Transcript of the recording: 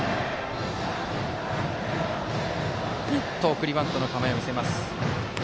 送りバントの構えを見せます。